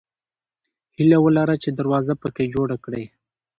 هیله ولره چې دروازه پکې جوړه کړې.